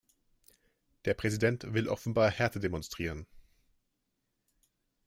Der Präsident will offenbar Härte demonstrieren.